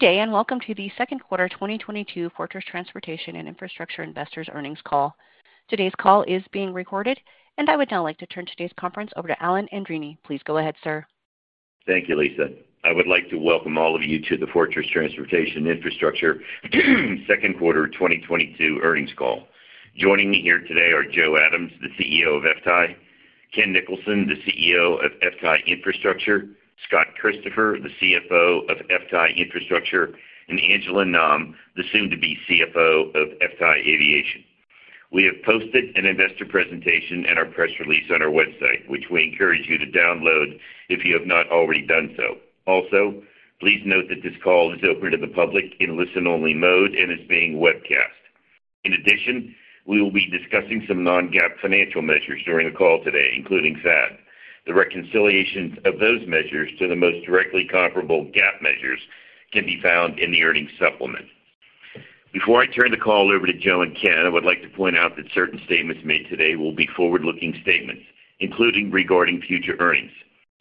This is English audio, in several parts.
Good day, and welcome to the second quarter 2022 Fortress Transportation and Infrastructure investors earnings call. Today's call is being recorded. I would now like to turn today's conference over to Alan Andreini. Please go ahead, sir. Thank you, Lisa. I would like to welcome all of you to the Fortress Transportation and Infrastructure second quarter 2022 earnings call. Joining me here today are Joe Adams, the CEO of FTAI, Ken Nicholson, the CEO of FTAI Infrastructure, Scott Christopher, the CFO of FTAI Infrastructure, and Angela Nam, the soon-to-be CFO of FTAI Aviation. We have posted an investor presentation and our press release on our website, which we encourage you to download if you have not already done so. Also, please note that this call is open to the public in listen-only mode and is being webcast. In addition, we will be discussing some non-GAAP financial measures during the call today, including FAD. The reconciliations of those measures to the most directly comparable GAAP measures can be found in the earnings supplement. Before I turn the call over to Joe and Ken, I would like to point out that certain statements made today will be forward-looking statements, including regarding future earnings.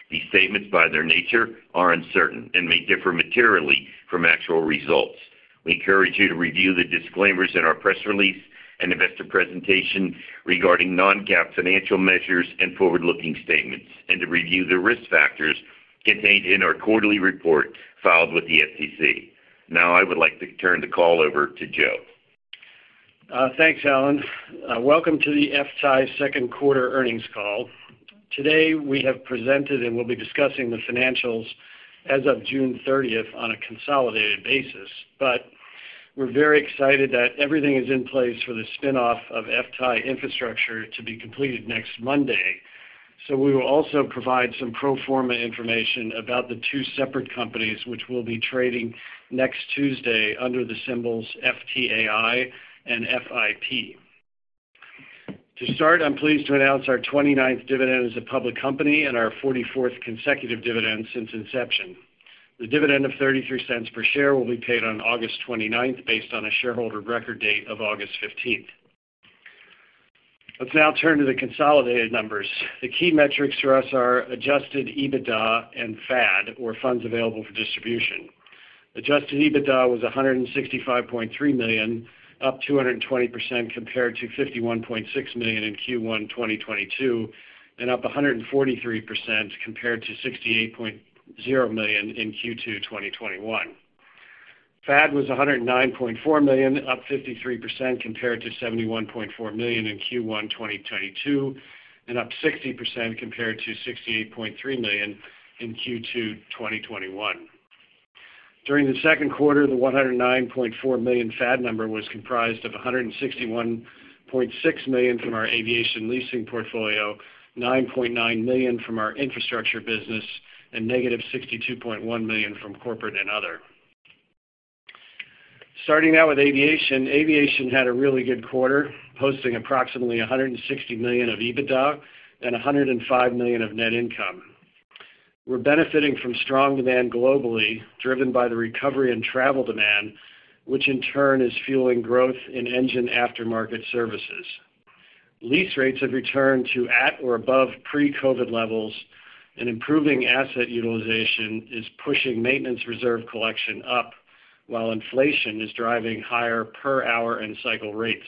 These statements, by their nature, are uncertain and may differ materially from actual results. We encourage you to review the disclaimers in our press release and investor presentation regarding non-GAAP financial measures and forward-looking statements, and to review the risk factors contained in our quarterly report filed with the SEC. Now I would like to turn the call over to Joe. Thanks, Alan. Welcome to the FTAI second quarter earnings call. Today, we have presented and we'll be discussing the financials as of June 30th on a consolidated basis. We're very excited that everything is in place for the spin-off of FTAI Infrastructure to be completed next Monday. We will also provide some pro forma information about the two separate companies, which will be trading next Tuesday under the symbols FTAI and FIP. To start, I'm pleased to announce our 29th dividend as a public company and our 44th consecutive dividend since inception. The dividend of $0.33 per share will be paid on August 29th, based on a shareholder record date of August 15th. Let's now turn to the consolidated numbers. The key metrics for us are adjusted EBITDA and FAD, or Funds Available for Distribution. Adjusted EBITDA was $165.3 million, up 220% compared to $51.6 million in Q1 2022, and up 143% compared to $68.0 million in Q2 2021. FAD was $109.4 million, up 53% compared to $71.4 million in Q1 2022, and up 60% compared to $68.3 million in Q2 2021. During the second quarter, the $109.4 million FAD number was comprised of $161.6 million from our aviation leasing portfolio, $9.9 million from our infrastructure business, and -$62.1 million from corporate and other. Starting out with aviation. Aviation had a really good quarter, posting approximately $160 million of EBITDA and $105 million of net income. We're benefiting from strong demand globally, driven by the recovery in travel demand, which in turn is fueling growth in engine aftermarket services. Lease rates have returned to at or above pre-COVID levels, and improving asset utilization is pushing maintenance reserve collection up while inflation is driving higher per hour and cycle rates.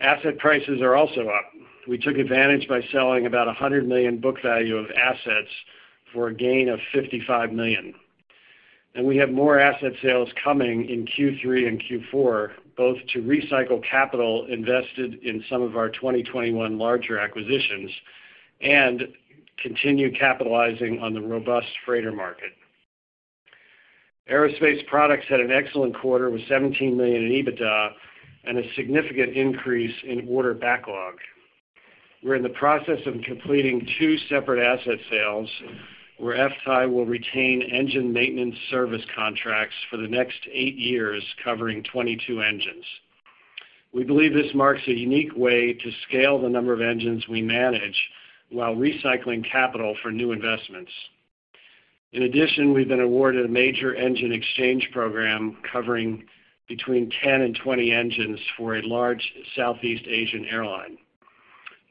Asset prices are also up. We took advantage by selling about $100 million book value of assets for a gain of $55 million. We have more asset sales coming in Q3 and Q4, both to recycle capital invested in some of our 2021 larger acquisitions and continue capitalizing on the robust freighter market. Aerospace products had an excellent quarter with $17 million in EBITDA and a significant increase in order backlog. We're in the process of completing two separate asset sales, where FTAI will retain engine maintenance service contracts for the next eight years, covering 22 engines. We believe this marks a unique way to scale the number of engines we manage while recycling capital for new investments. In addition, we've been awarded a major engine exchange program covering between 10 and 20 engines for a large Southeast Asian airline.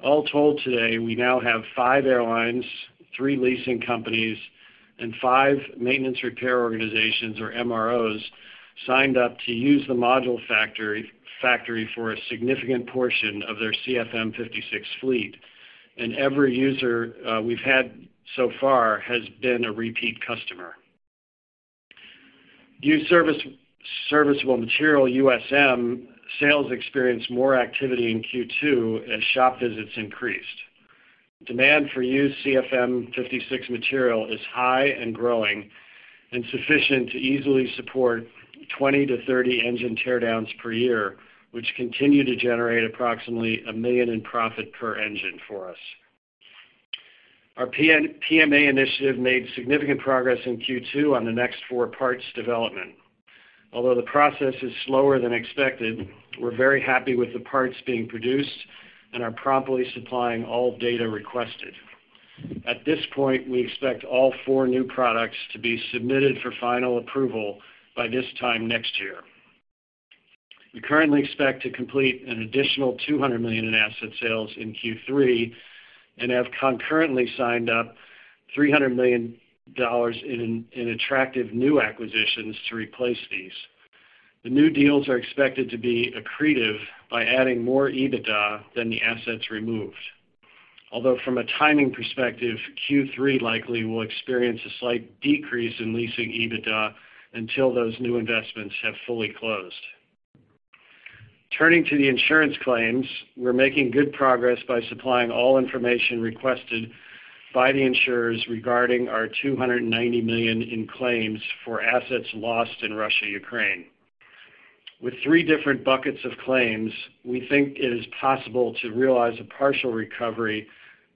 All told today, we now have five airlines, three leasing companies, and five maintenance repair organizations, or MROs, signed up to use the Module Factory for a significant portion of their CFM56 fleet. Every user we've had so far has been a repeat customer. Used Serviceable Material, USM, sales experienced more activity in Q2 as shop visits increased. Demand for used CFM56 material is high and growing and sufficient to easily support 20-30 engine tear downs per year, which continue to generate approximately $1 million in profit per engine for us. Our PN-PMA initiative made significant progress in Q2 on the next four parts development. Although the process is slower than expected, we're very happy with the parts being produced and are promptly supplying all data requested. At this point, we expect all four new products to be submitted for final approval by this time next year. We currently expect to complete an additional $200 million in asset sales in Q3 and have concurrently signed up $300 million in attractive new acquisitions to replace these. The new deals are expected to be accretive by adding more EBITDA than the assets removed. Although from a timing perspective, Q3 likely will experience a slight decrease in leasing EBITDA until those new investments have fully closed. Turning to the insurance claims, we're making good progress by supplying all information requested by the insurers regarding our $290 million in claims for assets lost in Russia, Ukraine. With three different buckets of claims, we think it is possible to realize a partial recovery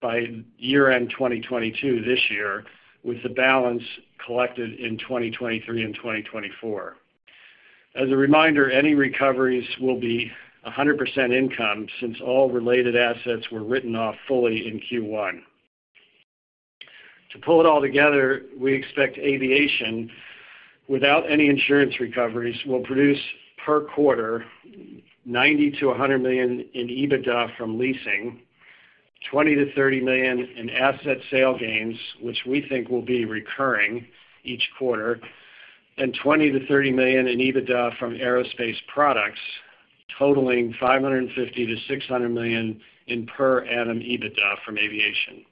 by year-end 2022 this year, with the balance collected in 2023 and 2024. As a reminder, any recoveries will be 100% income since all related assets were written off fully in Q1. To pull it all together, we expect aviation, without any insurance recoveries, will produce per quarter $90 million-$100 million in EBITDA from leasing, $20 million-$30 million in asset sale gains, which we think will be recurring each quarter, and $20 million-$30 million in EBITDA from aerospace products, totaling $550 million-$600 million in per annum EBITDA from aviation.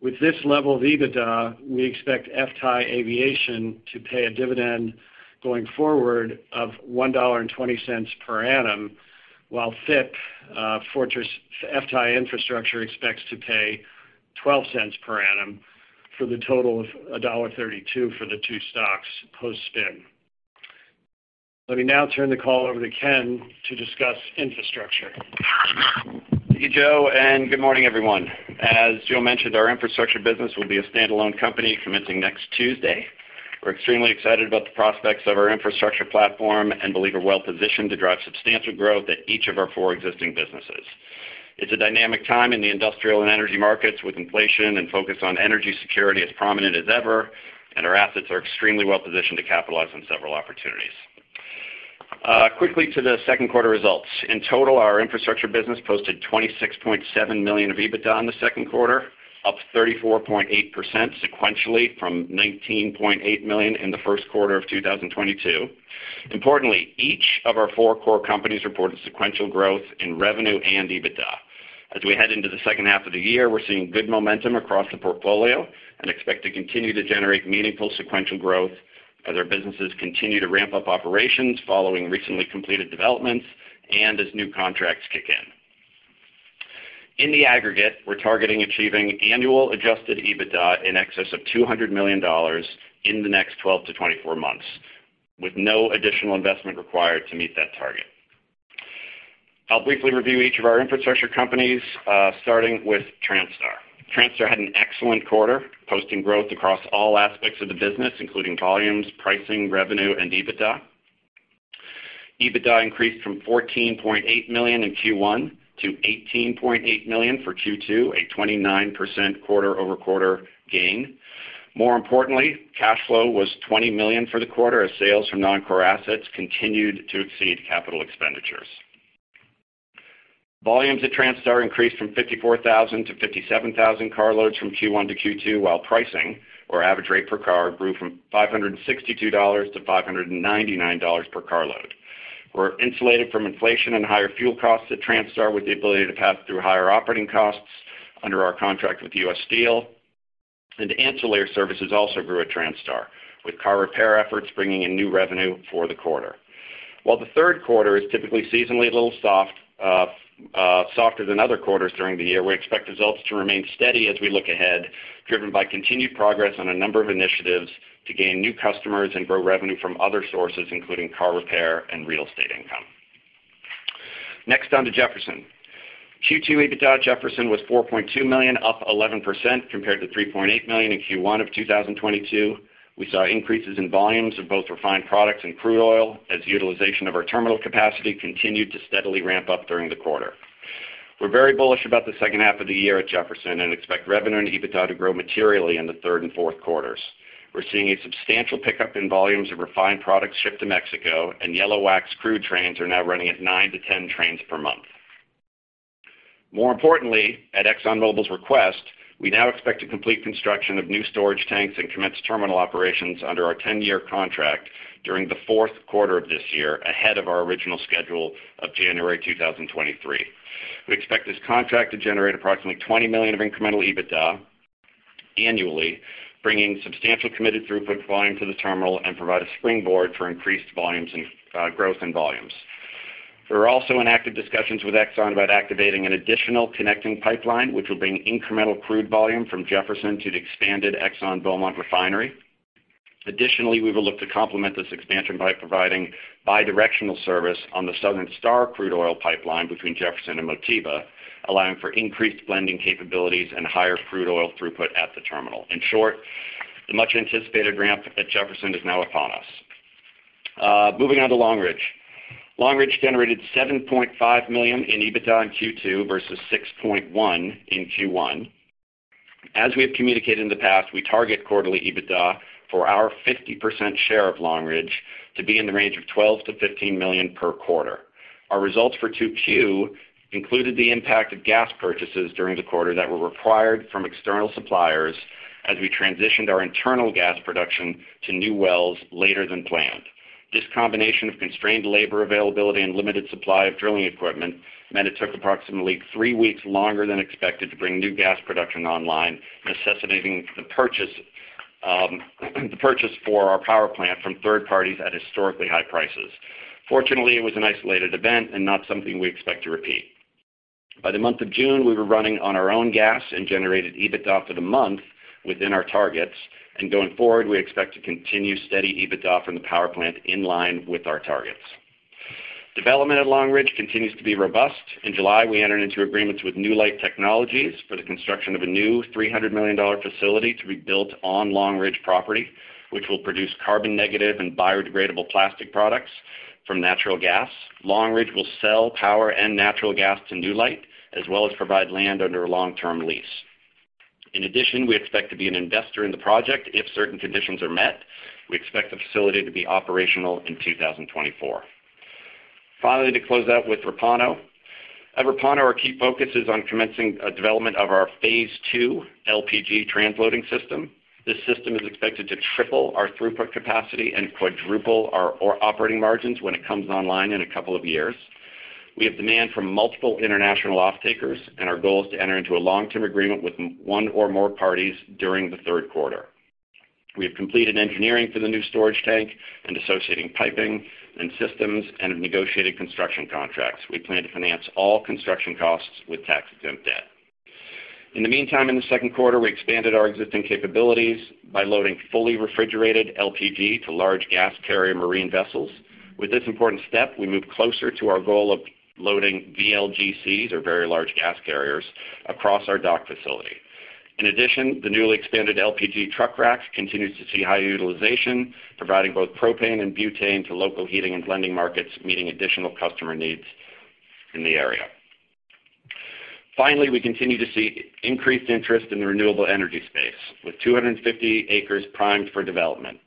With this level of EBITDA, we expect FTAI Aviation to pay a dividend going forward of $1.20 per annum, while FIP, Fortress FTAI Infrastructure expects to pay $0.12 per annum for the total of $1.32 for the two stocks post-spin. Let me now turn the call over to Ken to discuss infrastructure. Thank you, Joe, and good morning, everyone. As Joe mentioned, our infrastructure business will be a stand-alone company commencing next Tuesday. We're extremely excited about the prospects of our infrastructure platform and believe we're well-positioned to drive substantial growth at each of our four existing businesses. It's a dynamic time in the industrial and energy markets with inflation and focus on energy security as prominent as ever, and our assets are extremely well-positioned to capitalize on several opportunities. Quickly to the second quarter results. In total, our infrastructure business posted $26.7 million of EBITDA in the second quarter, up 34.8% sequentially from $19.8 million in the first quarter of 2022. Importantly, each of our four core companies reported sequential growth in revenue and EBITDA. As we head into the second half of the year, we're seeing good momentum across the portfolio and expect to continue to generate meaningful sequential growth as our businesses continue to ramp up operations following recently completed developments and as new contracts kick in. In the aggregate, we're targeting achieving annual adjusted EBITDA in excess of $200 million in the next 12-24 months with no additional investment required to meet that target. I'll briefly review each of our infrastructure companies, starting with Transtar. Transtar had an excellent quarter, posting growth across all aspects of the business, including volumes, pricing, revenue, and EBITDA. EBITDA increased from $14.8 million in Q1 to $18.8 million for Q2, a 29% quarter-over-quarter gain. More importantly, cash flow was $20 million for the quarter as sales from non-core assets continued to exceed capital expenditures. Volumes at Transtar increased from 54,000 to 57,000 carloads from Q1 to Q2, while pricing or average rate per car grew from $562 to $599 per carload. We're insulated from inflation and higher fuel costs at Transtar with the ability to pass through higher operating costs under our contract with U.S. Steel. Ancillary services also grew at Transtar, with car repair efforts bringing in new revenue for the quarter. While the third quarter is typically seasonally a little soft, softer than other quarters during the year, we expect results to remain steady as we look ahead, driven by continued progress on a number of initiatives to gain new customers and grow revenue from other sources, including car repair and real estate income. Next on to Jefferson. Q2 EBITDA at Jefferson was $4.2 million, up 11% compared to $3.8 million in Q1 of 2022. We saw increases in volumes of both refined products and crude oil as utilization of our terminal capacity continued to steadily ramp up during the quarter. We're very bullish about the second half of the year at Jefferson and expect revenue and EBITDA to grow materially in the third and fourth quarters. We're seeing a substantial pickup in volumes of refined products shipped to Mexico, and yellow wax crude trains are now running at 9-10 trains per month. More importantly, at ExxonMobil's request, we now expect to complete construction of new storage tanks and commence terminal operations under our 10-year contract during the fourth quarter of this year, ahead of our original schedule of January 2023. We expect this contract to generate approximately $20 million of incremental EBITDA annually, bringing substantial committed throughput volume to the terminal and provide a springboard for increased volumes and growth in volumes. We're also in active discussions with Exxon about activating an additional connecting pipeline, which will bring incremental crude volume from Jefferson to the expanded Exxon Beaumont refinery. Additionally, we will look to complement this expansion by providing bidirectional service on the Southern Star crude oil pipeline between Jefferson and Motiva, allowing for increased blending capabilities and higher crude oil throughput at the terminal. In short, the much-anticipated ramp at Jefferson is now upon us. Moving on to Long Ridge. Long Ridge generated $7.5 million in EBITDA in Q2 versus $6.1 million in Q1. As we have communicated in the past, we target quarterly EBITDA for our 50% share of Long Ridge to be in the range of $12 million-$15 million per quarter. Our results for 2Q included the impact of gas purchases during the quarter that were required from external suppliers as we transitioned our internal gas production to new wells later than planned. This combination of constrained labor availability and limited supply of drilling equipment meant it took approximately three weeks longer than expected to bring new gas production online, necessitating the purchase for our power plant from third parties at historically high prices. Fortunately, it was an isolated event and not something we expect to repeat. By the month of June, we were running on our own gas and generated EBITDA for the month within our targets. Going forward, we expect to continue steady EBITDA from the power plant in line with our targets. Development at Long Ridge continues to be robust. In July, we entered into agreements with Newlight Technologies for the construction of a new $300 million facility to be built on Long Ridge property, which will produce carbon negative and biodegradable plastic products from natural gas. Long Ridge will sell power and natural gas to Newlight, as well as provide land under a long-term lease. In addition, we expect to be an investor in the project if certain conditions are met. We expect the facility to be operational in 2024. Finally, to close out with Repauno. At Repauno, our key focus is on commencing a development of our phase two LPG transloading system. This system is expected to triple our throughput capacity and quadruple our operating margins when it comes online in a couple of years. We have demand from multiple international off-takers, and our goal is to enter into a long-term agreement with one or more parties during the third quarter. We have completed engineering for the new storage tank and associated piping and systems and have negotiated construction contracts. We plan to finance all construction costs with tax-exempt debt. In the meantime, in the second quarter, we expanded our existing capabilities by loading fully refrigerated LPG to large gas carrier marine vessels. With this important step, we move closer to our goal of loading VLGCs or very large gas carriers across our dock facility. In addition, the newly expanded LPG truck racks continues to see high utilization, providing both propane and butane to local heating and blending markets, meeting additional customer needs in the area. Finally, we continue to see increased interest in the renewable energy space with 250 acres primed for development.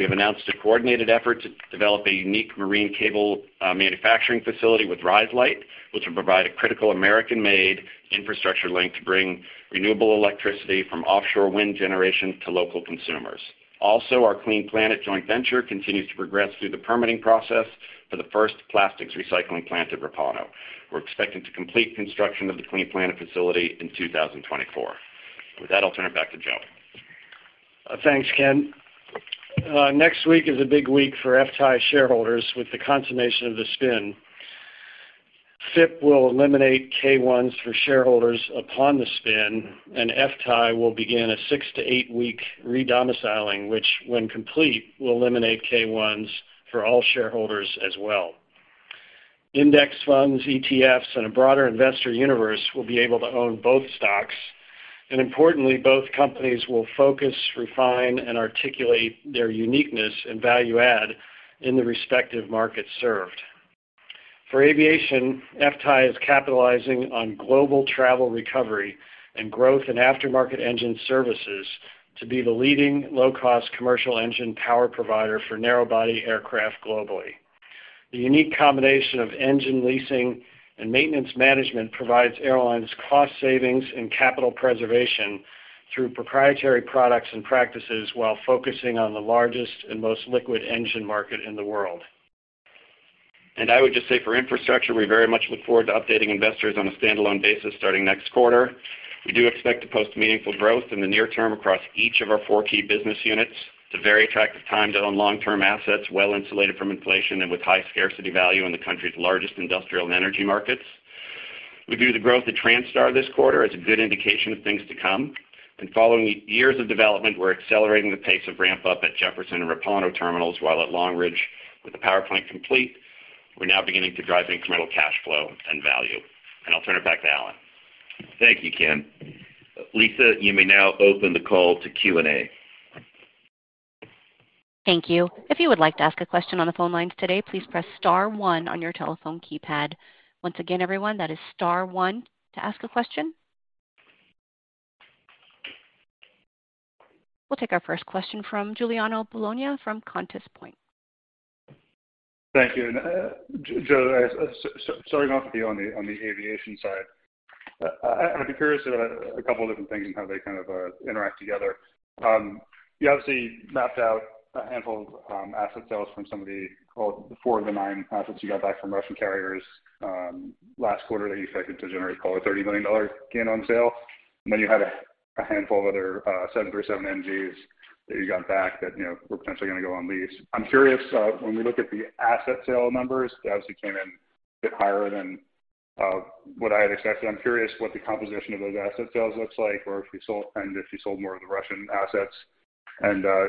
We have announced a coordinated effort to develop a unique marine cable manufacturing facility with Rise Light, which will provide a critical American-made infrastructure link to bring renewable electricity from offshore wind generation to local consumers. Also, our Clean Planet joint venture continues to progress through the permitting process for the first plastics recycling plant at Repauno. We're expecting to complete construction of the Clean Planet facility in 2024. With that, I'll turn it back to Joe. Thanks, Ken. Next week is a big week for FTAI shareholders with the consummation of the spin. FIP will eliminate K-1s for shareholders upon the spin, and FTAI will begin a 6-8-week re-domiciling, which when complete, will eliminate K-1s for all shareholders as well. Index funds, ETFs, and a broader investor universe will be able to own both stocks. Importantly, both companies will focus, refine, and articulate their uniqueness and value add in the respective markets served. For aviation, FTAI is capitalizing on global travel recovery and growth in aftermarket engine services to be the leading low-cost commercial engine power provider for narrow-body aircraft globally. The unique combination of engine leasing and maintenance management provides airlines cost savings and capital preservation through proprietary products and practices while focusing on the largest and most liquid engine market in the world. I would just say for infrastructure, we very much look forward to updating investors on a standalone basis starting next quarter. We do expect to post meaningful growth in the near term across each of our four key business units. It's a very attractive time to own long-term assets, well insulated from inflation and with high scarcity value in the country's largest industrial and energy markets. We view the growth at Transtar this quarter as a good indication of things to come. Following years of development, we're accelerating the pace of ramp up at Jefferson and Repauno terminals, while at Long Ridge with the power plant complete, we're now beginning to drive incremental cash flow and value. I'll turn it back to Alan. Thank you, Ken. Lisa, you may now open the call to Q&A. Thank you. If you would like to ask a question on the phone lines today, please press star one on your telephone keypad. Once again, everyone, that is star one to ask a question. We'll take our first question from Giuliano Bologna from Compass Point. Thank you. Joe, starting off with you on the aviation side, I'd be curious about a couple of different things and how they kind of interact together. You obviously mapped out a handful of asset sales from some of the, well, the four of the nine assets you got back from Russian carriers last quarter that you expected to generate, call it, $30 million gain on sale. Then you had a handful of other 737NGs that you got back that, you know, were potentially gonna go on lease. I'm curious when we look at the asset sale numbers, they obviously came in a bit higher than what I had expected. I'm curious what the composition of those asset sales looks like, or if you sold more of the Russian assets.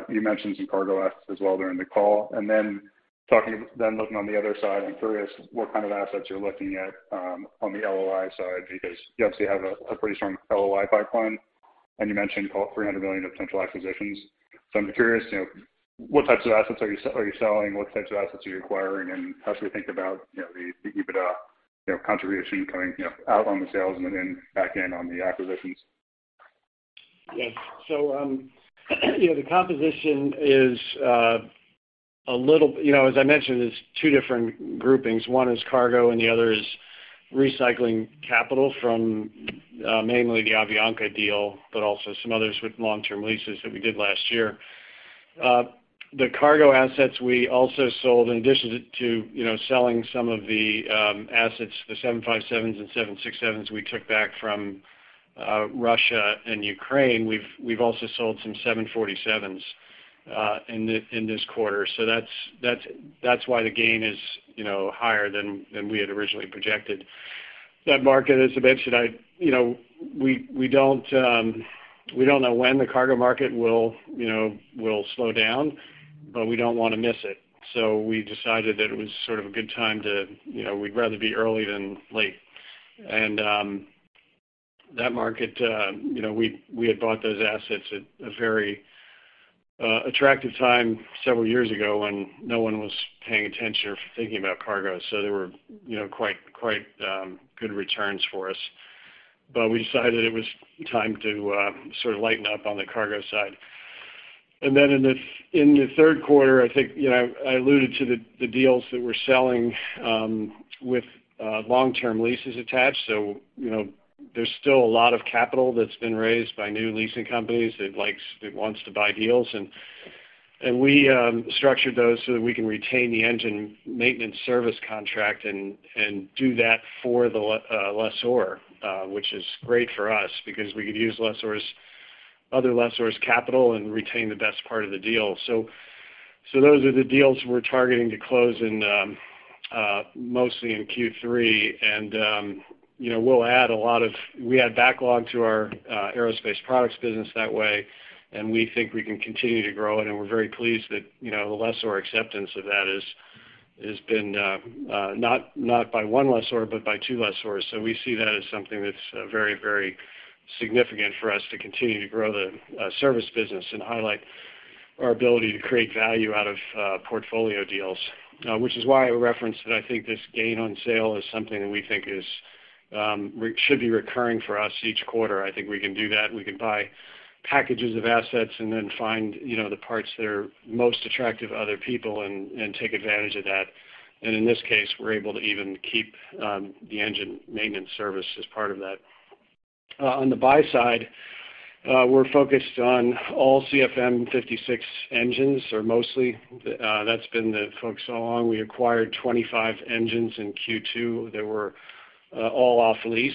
You mentioned some cargo assets as well during the call. Then looking on the other side, I'm curious what kind of assets you're looking at on the LOI side because you obviously have a pretty strong LOI pipeline, and you mentioned, call it $300 million of potential acquisitions. I'm curious, you know, what types of assets are you selling? What types of assets are you acquiring? How should we think about, you know, the EBITDA, you know, contribution coming out on the sales and then back in on the acquisitions. Yeah. You know, the composition is a little. You know, as I mentioned, there's two different groupings. One is cargo and the other is recycling capital from mainly the Avianca deal, but also some others with long-term leases that we did last year. The cargo assets we also sold in addition to you know, selling some of the assets, the 757s and 767s we took back from Russia and Ukraine. We've also sold some 747s in this quarter. That's why the gain is you know, higher than we had originally projected. That market, as I mentioned. You know, we don't know when the cargo market will slow down, but we don't wanna miss it. We decided that it was sort of a good time to, you know, we'd rather be early than late. That market, you know, we had bought those assets at a very attractive time several years ago when no one was paying attention or thinking about cargo. They were, you know, quite good returns for us. We decided it was time to sort of lighten up on the cargo side. In the third quarter, I think, you know, I alluded to the deals that we're selling with long-term leases attached. You know, there's still a lot of capital that's been raised by new leasing companies that wants to buy deals. We structured those so that we can retain the engine maintenance service contract and do that for the lessor, which is great for us because we could use lessors, other lessors' capital and retain the best part of the deal. Those are the deals we're targeting to close mostly in Q3. We'll add a lot of backlog to our aerospace products business that way, and we think we can continue to grow. We're very pleased that the lessor acceptance of that has been not by one lessor, but by two lessors. We see that as something that's very significant for us to continue to grow the service business and highlight our ability to create value out of portfolio deals. Which is why I referenced that I think this gain on sale is something that we think is should be recurring for us each quarter. I think we can do that. We can buy packages of assets and then find, you know, the parts that are most attractive to other people and take advantage of that. In this case, we're able to even keep the engine maintenance service as part of that. On the buy side, we're focused on all CFM56 engines, or mostly, that's been the focus all along. We acquired 25 engines in Q2 that were all off lease.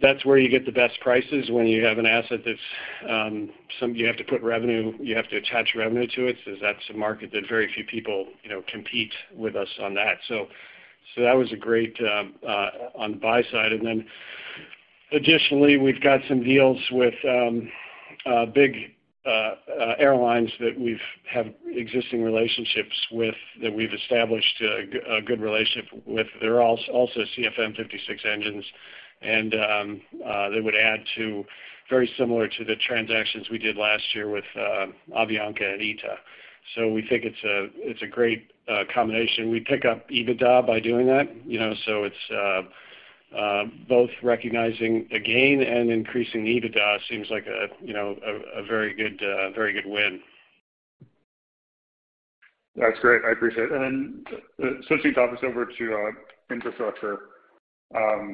That's where you get the best prices when you have an asset that's some you have to put revenue, you have to attach revenue to it. That's a market that very few people, you know, compete with us on that. That was a great on the buy side. Then additionally, we've got some deals with big airlines that we've had existing relationships with, that we've established a good relationship with. They're also CFM56 engines, and they would add to very similar to the transactions we did last year with Avianca and ITA. We think it's a great combination. We pick up EBITDA by doing that, you know, so it's both recognizing the gain and increasing the EBITDA seems like a very good win. That's great. I appreciate it. Switching topics over to infrastructure. I'd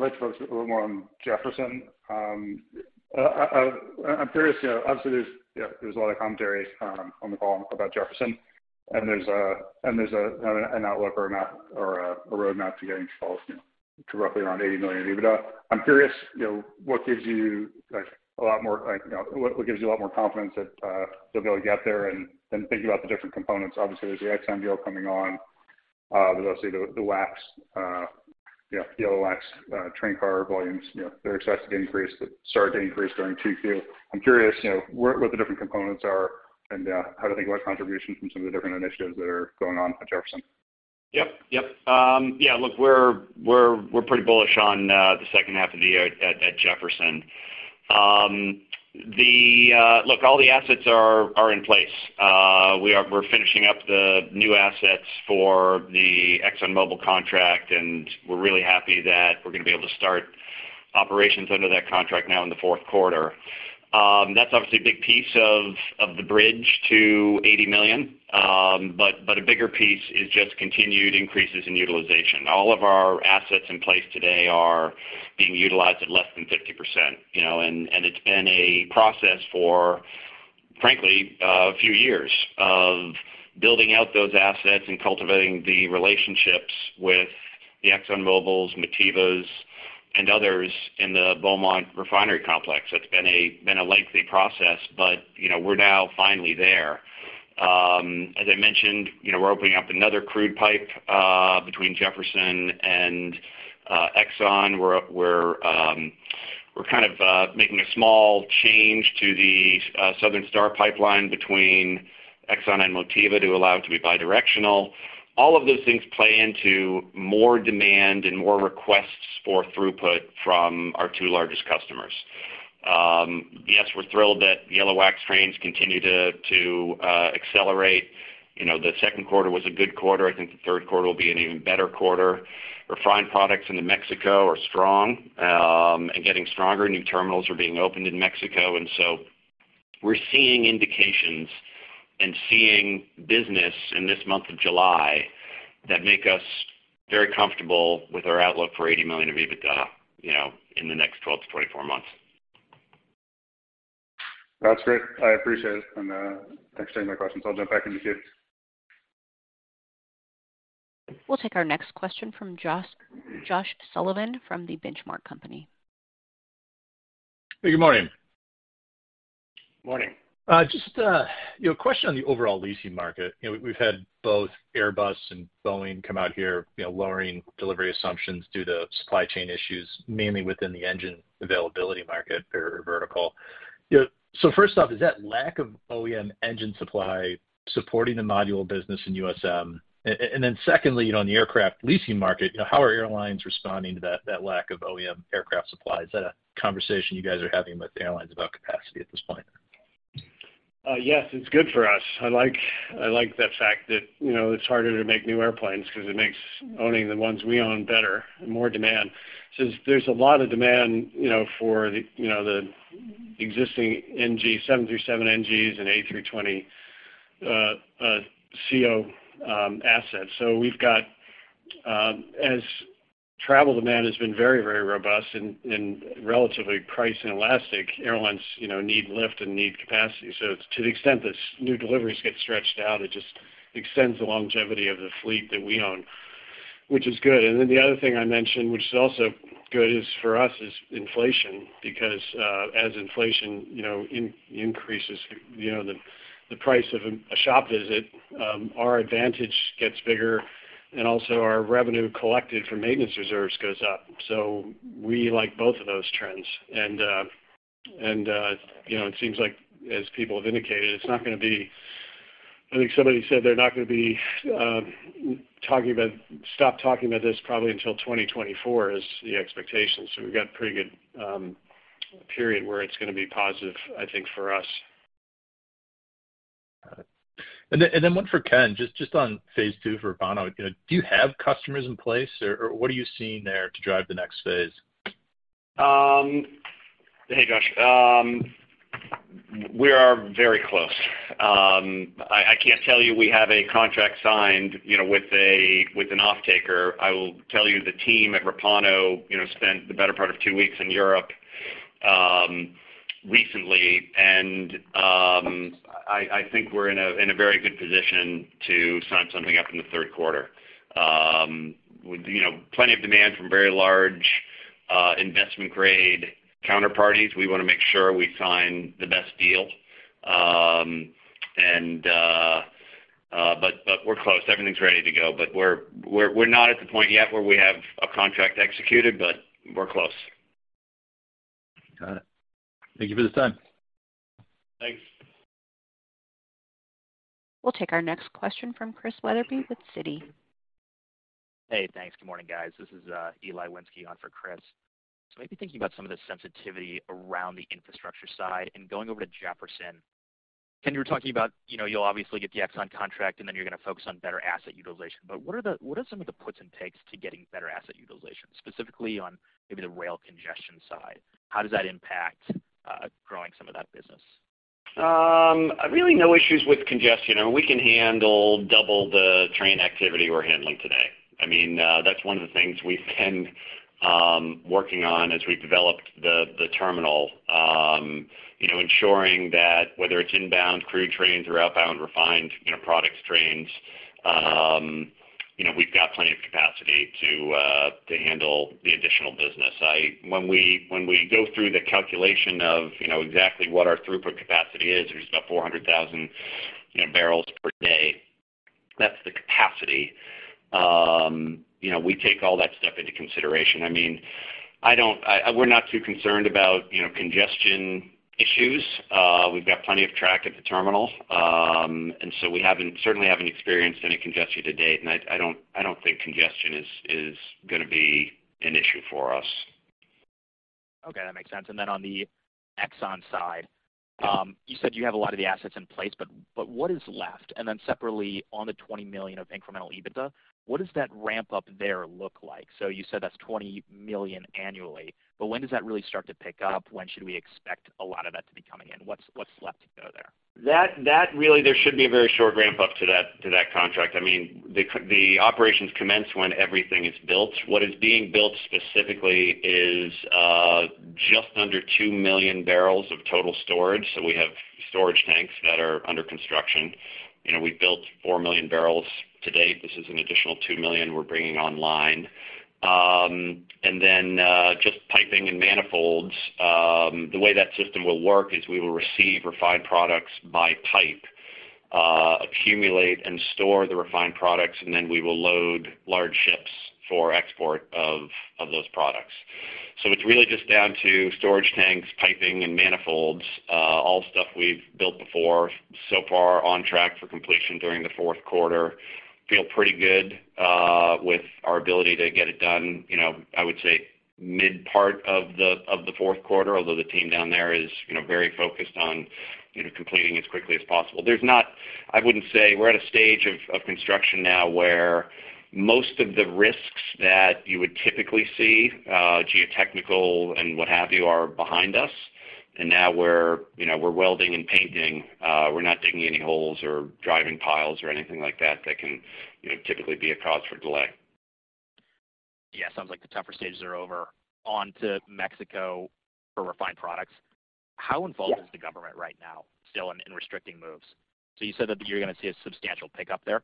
like to focus a little more on Jefferson. I'm curious, you know, obviously, there's a lot of commentary on the call about Jefferson, and there's an outlook or a map or a roadmap to getting to roughly around $80 million in EBITDA. I'm curious, you know, what gives you, like, a lot more, like, you know, what gives you a lot more confidence that you'll be able to get there? Thinking about the different components, obviously, there's the Exxon deal coming on. Obviously, the wax, you know, the other wax, train car volumes, you know, they're expected to increase. They started to increase during 2Q. I'm curious, you know, where the different components are and how to think about contribution from some of the different initiatives that are going on at Jefferson. Yeah, look, we're pretty bullish on the second half of the year at Jefferson. Look, all the assets are in place. We're finishing up the new assets for the ExxonMobil contract, and we're really happy that we're gonna be able to start operations under that contract now in the fourth quarter. That's obviously a big piece of the bridge to $80 million. But a bigger piece is just continued increases in utilization. All of our assets in place today are being utilized at less than 50%, you know? It's been a process for, frankly, a few years of building out those assets and cultivating the relationships with the ExxonMobil's, Motiva's, and others in the Beaumont refinery complex. It's been a lengthy process, but you know, we're now finally there. As I mentioned, you know, we're opening up another crude pipe between Jefferson and Exxon. We're kind of making a small change to the Southern Star pipeline between Exxon and Motiva to allow it to be bi-directional. All of those things play into more demand and more requests for throughput from our two largest customers. Yes, we're thrilled that Yellow wax trains continue to accelerate. You know, the second quarter was a good quarter. I think the third quarter will be an even better quarter. Refined products into Mexico are strong and getting stronger. New terminals are being opened in Mexico, and so we're seeing indications and seeing business in this month of July that make us very comfortable with our outlook for $80 million of EBITDA, you know, in the next 12-24 months. That's great. I appreciate it. Thanks for taking my questions. I'll jump back into queue. We'll take our next question from Josh Sullivan from The Benchmark Company. Hey, good morning. Morning. Just, you know, a question on the overall leasing market. You know, we've had both Airbus and Boeing come out here, you know, lowering delivery assumptions due to supply chain issues, mainly within the engine availability market or vertical. You know, first off, is that lack of OEM engine supply supporting the module business in USM? And then secondly, you know, on the aircraft leasing market, you know, how are airlines responding to that lack of OEM aircraft supply? Is that a conversation you guys are having with the airlines about capacity at this point? Yes, it's good for us. I like the fact that, you know, it's harder to make new airplanes because it makes owning the ones we own better and more demand. There's a lot of demand, you know, for the, you know, the existing 737NGs and A320ceo assets. We've got, as travel demand has been very robust and relatively price inelastic, airlines, you know, need lift and need capacity. To the extent that new deliveries get stretched out, it just extends the longevity of the fleet that we own, which is good. Then the other thing I mentioned, which is also good, is for us, is inflation, because as inflation, you know, increases, you know, the price of a shop visit, our advantage gets bigger, and also our revenue collected from maintenance reserves goes up. We like both of those trends. You know, it seems like as people have indicated, I think somebody said they're not gonna be talking about this probably until 2024 is the expectation. We've got pretty good period where it's gonna be positive, I think, for us. Got it. One for Ken, just on phase two for Repauno. You know, do you have customers in place or what are you seeing there to drive the next phase? Hey, Josh. We are very close. I can't tell you we have a contract signed, you know, with an offtaker. I will tell you the team at Repauno, you know, spent the better part of two weeks in Europe recently. I think we're in a very good position to sign something up in the third quarter. With you know, plenty of demand from very large investment-grade counterparties. We wanna make sure we sign the best deal. We're close. Everything's ready to go. We're not at the point yet where we have a contract executed, but we're close. Got it. Thank you for the time. Thanks. We'll take our next question from Chris Wetherbee with Citi. Hey, thanks. Good morning, guys. This is Eli Wensky on for Chris. Maybe thinking about some of the sensitivity around the infrastructure side and going over to Jefferson. Ken, you were talking about, you know, you'll obviously get the Exxon contract, and then you're gonna focus on better asset utilization. What are some of the puts and takes to getting better asset utilization, specifically on maybe the rail congestion side? How does that impact growing some of that business? Really, no issues with congestion, and we can handle double the train activity we're handling today. I mean, that's one of the things we've been working on as we developed the terminal. You know, ensuring that whether it's inbound crude trains or outbound refined, you know, products trains, you know, we've got plenty of capacity to handle the additional business. When we go through the calculation of, you know, exactly what our throughput capacity is, which is about 400,000 bbl per day, that's the capacity. You know, we take all that stuff into consideration. I mean, we're not too concerned about, you know, congestion issues. We've got plenty of track at the terminal. We certainly haven't experienced any congestion to date. I don't think congestion is gonna be an issue for us. Okay. That makes sense. On the Exxon side, you said you have a lot of the assets in place, but what is left? Separately, on the $20 million of incremental EBITDA, what does that ramp up there look like? You said that's $20 million annually, but when does that really start to pick up? When should we expect a lot of that to be coming in? What's left to go there? That really there should be a very short ramp-up to that contract. I mean, the operations commence when everything is built. What is being built specifically is just under 2,000,000 bbl of total storage. We have storage tanks that are under construction. You know, we built 4,000,000 bbl to date. This is an additional 2,000,000 bbl we're bringing online. And then just piping and manifolds. The way that system will work is we will receive refined products by pipe, accumulate and store the refined products, and then we will load large ships for export of those products. It's really just down to storage tanks, piping and manifolds, all stuff we've built before, so far on track for completion during the fourth quarter. Feel pretty good with our ability to get it done, you know. I would say mid part of the fourth quarter, although the team down there is, you know, very focused on completing as quickly as possible. I wouldn't say. We're at a stage of construction now where most of the risks that you would typically see, geotechnical and what have you, are behind us. Now we're, you know, welding and painting. We're not digging any holes or driving piles or anything like that that can, you know, typically be a cause for delay. Yeah. Sounds like the tougher stages are over. On to Mexico for refined products. Yeah. How involved is the government right now still in restricting moves? You said that you're gonna see a substantial pickup there.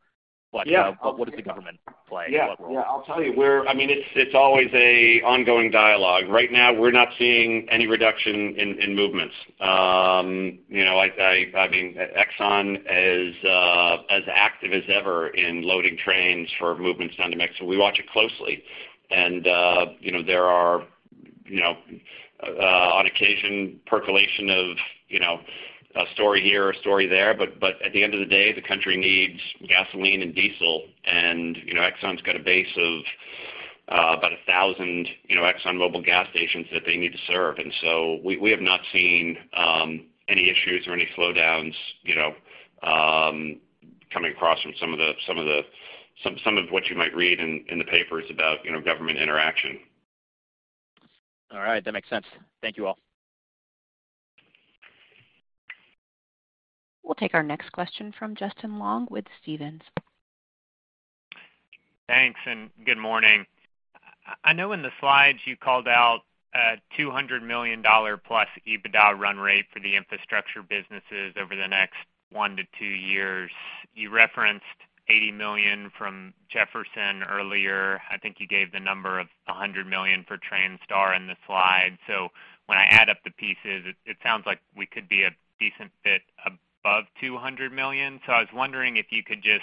Yeah. What is the government play? What role? Yeah. Yeah. I'll tell you. I mean, it's always an ongoing dialogue. Right now we're not seeing any reduction in movements. You know, I mean, Exxon is as active as ever in loading trains for movements down to Mexico. We watch it closely and, you know, there are, you know, on occasion percolation of, you know, a story here, a story there. But at the end of the day, the country needs gasoline and diesel and, you know, Exxon's got a base of, about 1,000, you know, ExxonMobil gas stations that they need to serve. We have not seen any issues or any slowdowns, you know, coming across from some of what you might read in the papers about, you know, government interaction. All right. That makes sense. Thank you all. We'll take our next question from Justin Long with Stephens. Thanks and good morning. I know in the slides you called out a $200 million+ EBITDA run rate for the infrastructure businesses over the next 1-2 years. You referenced $80 million from Jefferson earlier. I think you gave the number of $100 million for Transtar in the slide. When I add up the pieces, it sounds like we could be a decent bit above $200 million. I was wondering if you could just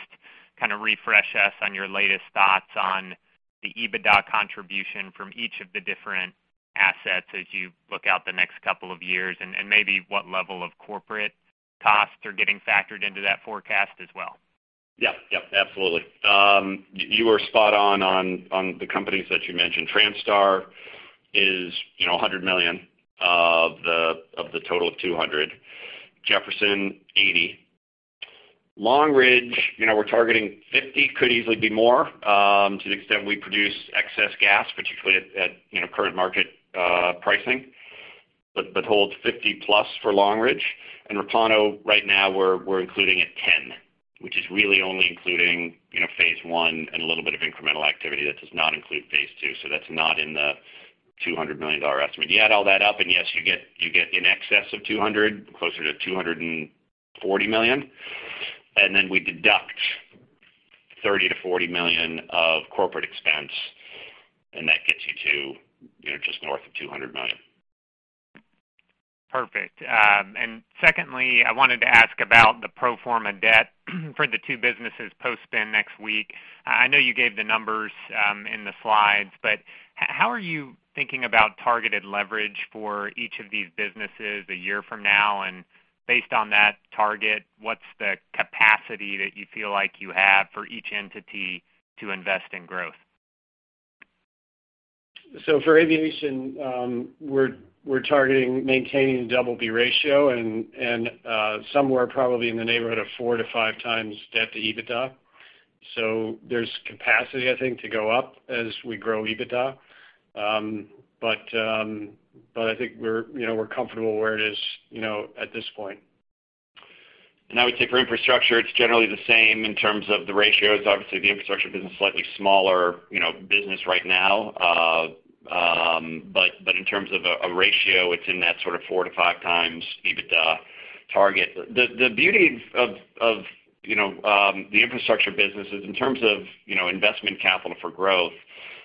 kind of refresh us on your latest thoughts on the EBITDA contribution from each of the different assets as you look out the next couple of years, and maybe what level of corporate costs are getting factored into that forecast as well. Yeah. Absolutely. You are spot on on the companies that you mentioned. Transtar is, you know, $100 million of the total of $200 million. Jefferson, $80 million. Long Ridge, you know, we're targeting $50 million, could easily be more, to the extent we produce excess gas, particularly at you know, current market pricing. But hold $50 million+ for Long Ridge. Repauno right now we're including at $10 million, which is really only including, you know, phase one and a little bit of incremental activity. That does not include phase two, so that's not in the $200 million estimate. You add all that up, and yes, you get in excess of $200 million, closer to $240 million. We deduct $30 million-$40 million of corporate expense, and that gets you to, you know, just north of $200 million. Perfect. Secondly, I wanted to ask about the pro forma debt for the two businesses post-spin next week. I know you gave the numbers in the slides, but how are you thinking about targeted leverage for each of these businesses a year from now? Based on that target, what's the capacity that you feel like you have for each entity to invest in growth? For aviation, we're targeting maintaining Double-B ratio and somewhere probably in the neighborhood of 4x-5x debt to EBITDA. There's capacity, I think, to go up as we grow EBITDA. I think we're, you know, comfortable where it is, you know, at this point. I would say for infrastructure, it's generally the same in terms of the ratios. Obviously, the infrastructure business is a slightly smaller, you know, business right now. In terms of a ratio, it's in that sort of 4x-5x EBITDA target. The beauty of, you know, the infrastructure business is in terms of, you know, investment capital for growth.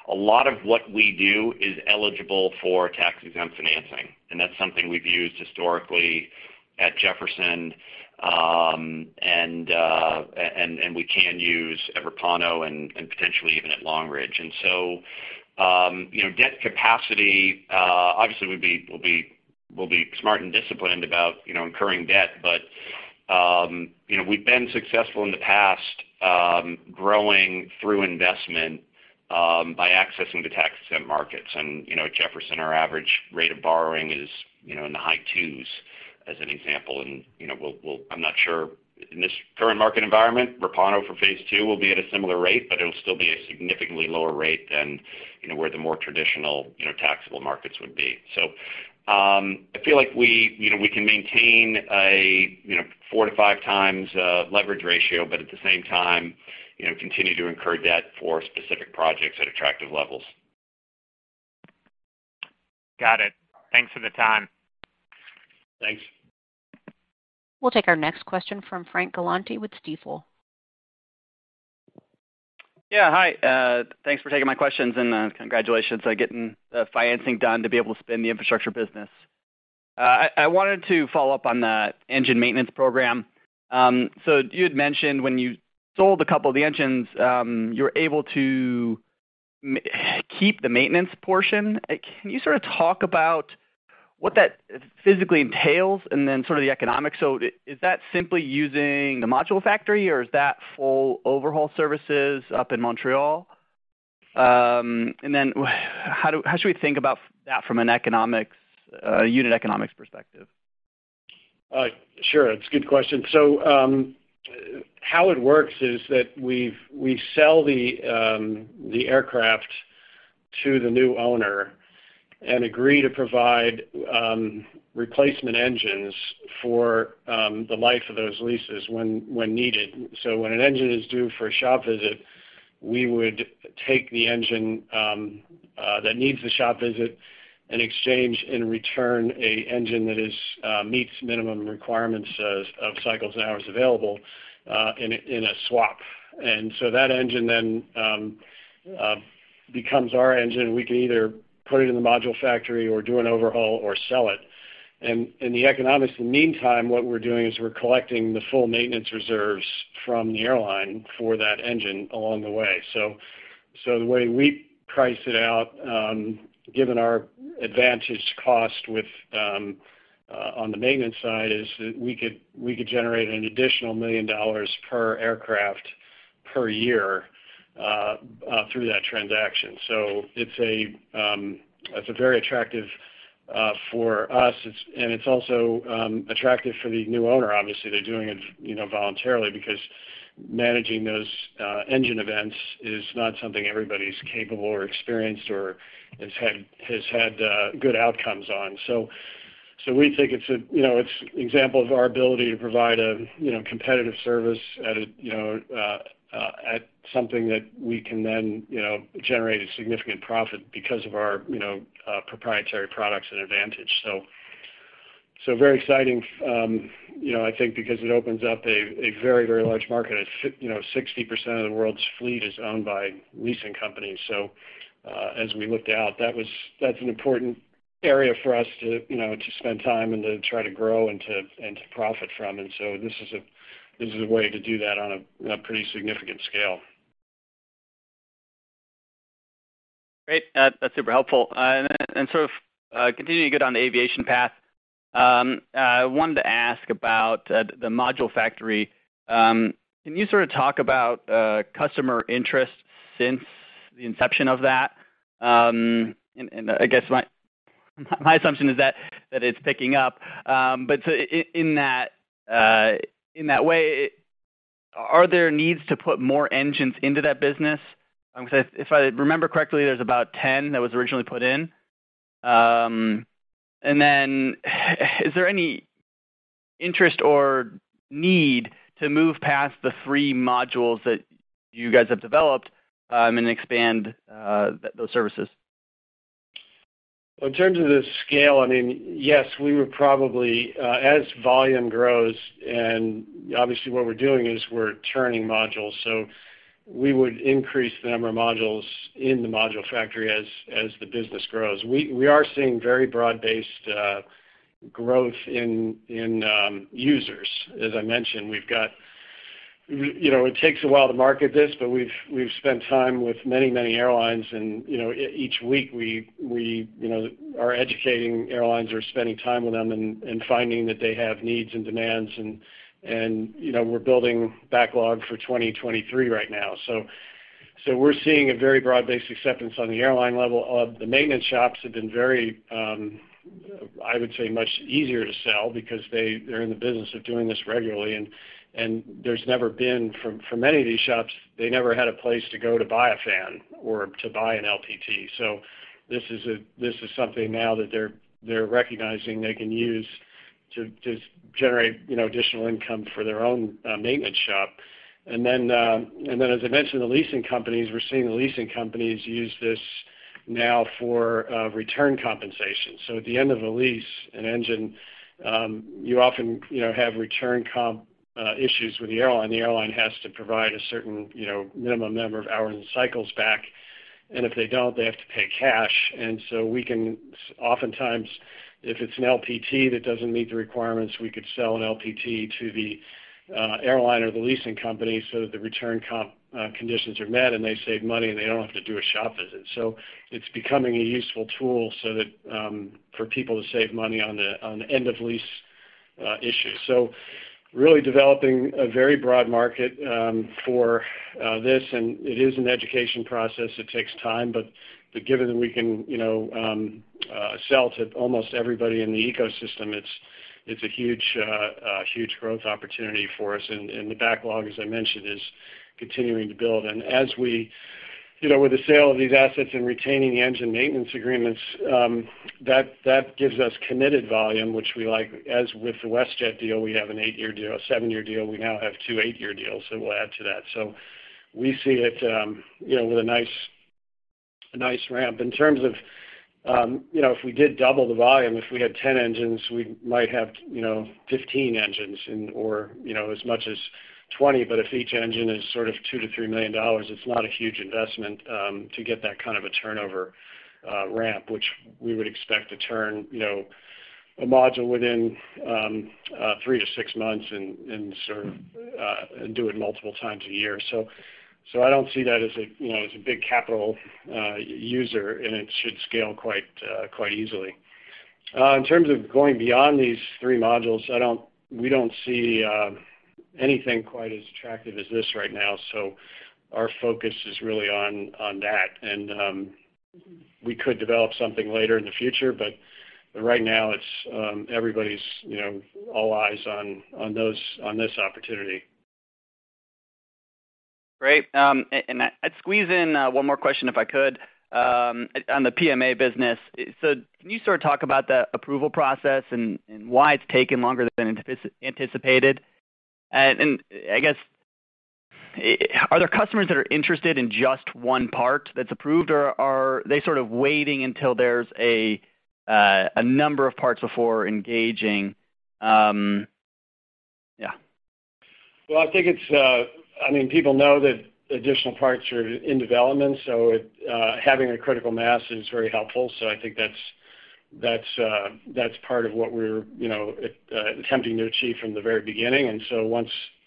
A lot of what we do is eligible for tax-exempt financing, and that's something we've used historically at Jefferson, and we can use at Repauno and potentially even at Long Ridge. You know, debt capacity obviously would be. We'll be smart and disciplined about, you know, incurring debt. You know, we've been successful in the past growing through investment by accessing the tax-exempt markets. You know, at Jefferson, our average rate of borrowing is, you know, in the high twos as an example. You know, we'll—I'm not sure in this current market environment, Repauno for phase two will be at a similar rate, but it'll still be a significantly lower rate than, you know, where the more traditional, you know, taxable markets would be. I feel like we, you know, we can maintain a, you know, 4x-5x leverage ratio, but at the same time, you know, continue to incur debt for specific projects at attractive levels. Got it. Thanks for the time. Thanks. We'll take our next question from Frank Galanti with Stifel. Yeah, hi. Thanks for taking my questions and congratulations on getting the financing done to be able to spin the infrastructure business. I wanted to follow up on the engine maintenance program. So you had mentioned when you sold a couple of the engines, you were able to keep the maintenance portion. Can you sort of talk about what that physically entails and then sort of the economics? So is that simply using the Module Factory, or is that full overhaul services up in Montreal? And then how should we think about that from an economics, unit economics perspective? Sure. It's a good question. How it works is that we sell the aircraft to the new owner and agree to provide replacement engines for the life of those leases when needed. When an engine is due for a shop visit, we would take the engine that needs the shop visit and exchange and return an engine that meets minimum requirements as of cycles and hours available in a swap. That engine then becomes our engine. We can either put it in the Module Factory or do an overhaul or sell it. In the economics in the meantime, what we're doing is we're collecting the full maintenance reserves from the airline for that engine along the way. The way we price it out, given our cost advantage with on the maintenance side is that we could generate an additional $1 million per aircraft per year through that transaction. It's a very attractive for us. It's and it's also attractive for the new owner. Obviously, they're doing it, you know, voluntarily because managing those engine events is not something everybody's capable or experienced or has had good outcomes on. We think it's an example of our ability to provide a, you know, competitive service at a, you know, at something that we can then, you know, generate a significant profit because of our, you know, proprietary products and advantage. Very exciting, you know, I think because it opens up a very, very large market. It's, you know, 60% of the world's fleet is owned by leasing companies. As we looked out, that's an important area for us to, you know, to spend time and to try to grow and to profit from. This is a way to do that on a pretty significant scale. Great. That's super helpful. Sort of continuing to get on the aviation path, I wanted to ask about The Module Factory. Can you sort of talk about customer interest since the inception of that? I guess my assumption is that it's picking up. In that way, are there needs to put more engines into that business? 'Cause if I remember correctly, there's about 10 that was originally put in. Is there any interest or need to move past the three modules that you guys have developed and expand those services? In terms of the scale, I mean, yes, we would probably as volume grows, and obviously what we're doing is we're turning modules. We would increase the number of modules in the Module Factory as the business grows. We are seeing very broad-based growth in users. As I mentioned, we've got, you know, it takes a while to market this, but we've spent time with many airlines and, you know, each week, we, you know, are educating airlines or spending time with them and finding that they have needs and demands and, you know, we're building backlog for 2023 right now. We're seeing a very broad-based acceptance on the airline level. The maintenance shops have been very, I would say, much easier to sell because they're in the business of doing this regularly, and there's never been, for many of these shops, they never had a place to go to buy a fan or to buy an LPT. This is something now that they're recognizing they can use to just generate, you know, additional income for their own maintenance shop. As I mentioned, the leasing companies, we're seeing the leasing companies use this now for return compensation. At the end of a lease, an engine, you often, you know, have return comp issues with the airline. The airline has to provide a certain, you know, minimum number of hours and cycles back. If they don't, they have to pay cash. We can oftentimes, if it's an LPT that doesn't meet the requirements, we could sell an LPT to the airline or the leasing company so that the return conditions are met and they save money, and they don't have to do a shop visit. It's becoming a useful tool so that for people to save money on the end of lease issues. Really developing a very broad market for this, and it is an education process. It takes time. Given that we can, you know, sell to almost everybody in the ecosystem, it's a huge growth opportunity for us. The backlog, as I mentioned, is continuing to build. As we, you know, with the sale of these assets and retaining the engine maintenance agreements, that gives us committed volume, which we like. As with the WestJet deal, we have an eight-year deal, a seven-year deal. We now have two eight-year deals, we'll add to that. We see it, you know, with a nice ramp. In terms of, you know, if we did double the volume, if we had 10 engines, we might have, you know, 15 engines and or, you know, as much as 20. If each engine is sort of $2 million-$3 million, it's not a huge investment to get that kind of a turnover ramp, which we would expect to turn, you know, a module within 3-6 months and sort of do it multiple times a year. I don't see that as a, you know, as a big capital user, and it should scale quite easily. In terms of going beyond these three modules, I don't. We don't see anything quite as attractive as this right now. Our focus is really on that. We could develop something later in the future, but right now it's everybody's, you know, all eyes on those, on this opportunity. Great. I'd squeeze in one more question if I could on the PMA business. Can you sort of talk about the approval process and why it's taken longer than anticipated? I guess, are there customers that are interested in just one part that's approved, or are they sort of waiting until there's a number of parts before engaging? Yeah. I think it's, I mean, people know that additional parts are in development, so having a critical mass is very helpful. I think that's part of what we're, you know, attempting to achieve from the very beginning.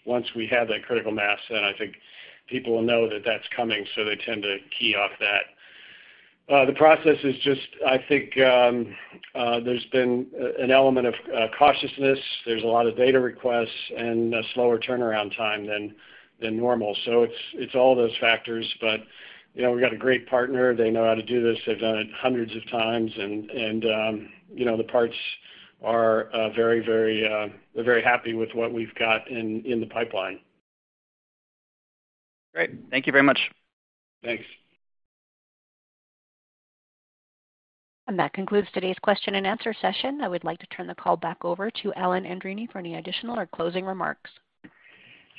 Once we have that critical mass, then people will know that that's coming, so they tend to key off that. The process is just, I think, there's been an element of cautiousness. There's a lot of data requests and a slower turnaround time than normal. It's all those factors. You know, we've got a great partner. They know how to do this. They've done it hundreds of times and, you know, the parts are very. They're very happy with what we've got in the pipeline. Great. Thank you very much. Thanks. That concludes today's question-and-answer session. I would like to turn the call back over to Alan Andreini for any additional or closing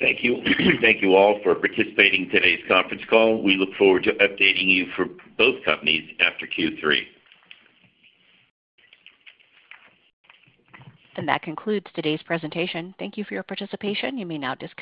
remarks. Thank you. Thank you all for participating in today's conference call. We look forward to updating you for both companies after Q3. That concludes today's presentation. Thank you for your participation. You may now disconnect.